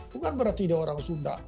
bukan berarti dia orang sunda